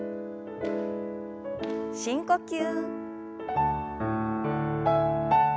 深呼吸。